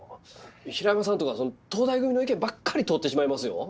平山さんとか東大組の意見ばっかり通ってしまいますよ。